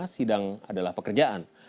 sidang adalah pekerjaan